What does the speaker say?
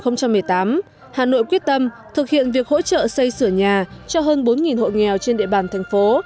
năm hai nghìn một mươi tám hà nội quyết tâm thực hiện việc hỗ trợ xây sửa nhà cho hơn bốn hộ nghèo trên địa bàn thành phố